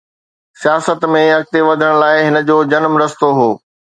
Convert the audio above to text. سياست ۾ اڳتي وڌڻ لاءِ هن جو جنم رستو هو.